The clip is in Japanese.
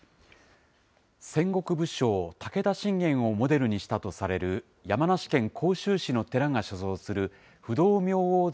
戦国武将、武田信玄をモデルにしたとされる山梨県甲州市の寺が所蔵する不動明王